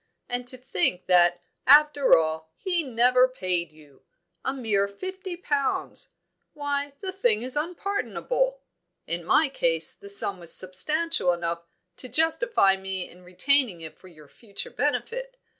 And to think that, after all, he never paid you! A mere fifty pounds! Why, the thing is unpardonable! In my case the sum was substantial enough to justify me in retaining it for your future benefit.